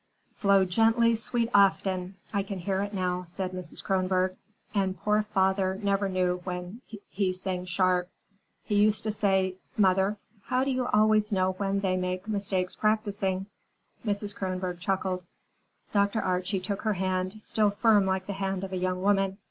"'Flow Gently, Sweet Afton,'—I can hear it now," said Mrs. Kronborg; "and poor father never knew when he sang sharp! He used to say, 'Mother, how do you always know when they make mistakes practicing?'" Mrs. Kronborg chuckled. Dr. Archie took her hand, still firm like the hand of a young woman.